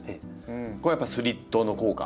これやっぱスリットの効果？